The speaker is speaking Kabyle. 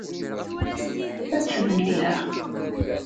Ad tt-beddleɣ.